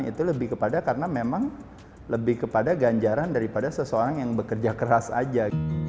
itu lebih kepada karena memang lebih kepada ganjaran daripada seseorang yang bekerja keras saja